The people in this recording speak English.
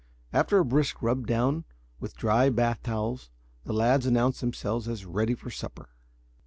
After a brisk rub down with dry bath towels, the lads announced themselves as ready for supper.